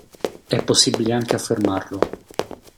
È possibile anche affermarlo.